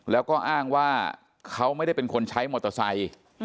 แล้วก็อ้างว่าเขาไม่ได้เป็นคนใช้มอเตอร์ไซค์